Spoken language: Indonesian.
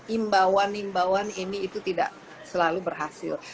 imbauan imbauan ini itu tidak selalu berhasil